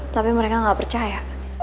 tapi mereka gak percaya